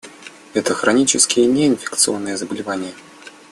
Это хронические неинфекционные заболевания.